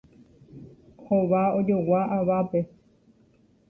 Hova ojogua avápe.